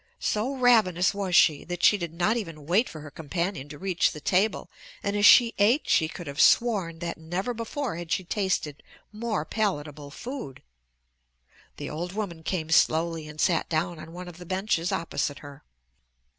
So ravenous was she that she did not even wait for her companion to reach the table, and as she ate she could have sworn that never before had she tasted more palatable food. The old woman came slowly and sat down on one of the benches opposite her.